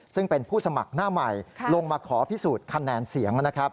ซึ่งเป็นผู้สมัครหน้าใหม่ลงมาขอพิสูจน์คะแนนเสียงนะครับ